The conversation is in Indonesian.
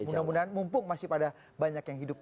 mudah mudahan mumpung masih pada banyak yang hidup